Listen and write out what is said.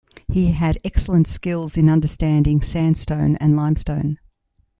He had excellent skills in understanding sandstone and limestone.